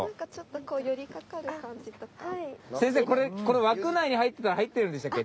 先生これ枠内に入ってたら入ってるんでしたっけ？